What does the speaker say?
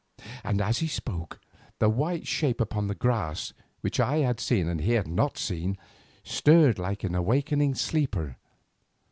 As he spoke, the white shape upon the grass which I had seen and he had not seen, stirred like an awakening sleeper.